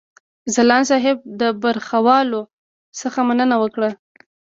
ځلاند صاحب د برخوالو څخه مننه وکړه.